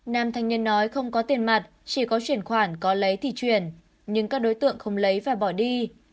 nam thanh niên nói không có tiền mặt chỉ có chuyển khoản có lấy thì chuyển nhưng các đối tượng không lấy và bỏ đi